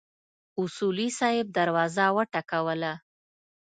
اصولي صیب دروازه وټکوله.